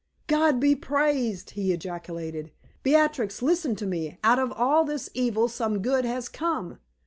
"God be praised!" he ejaculated. "Beatrix, listen to me: out of all this evil some good has come.